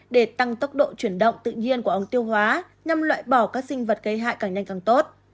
để tăng tốc độ chuyển động tự nhiên của ống tiêu hóa nhằm loại bỏ các sinh vật gây hại càng nhanh càng tốt